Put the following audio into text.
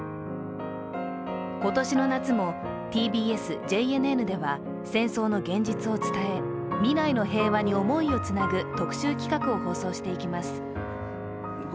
今年の夏もＴＢＳ・ＪＮＮでは戦争の現実を伝え、未来の平和に思いをつなぐ特集企画を放送していきます。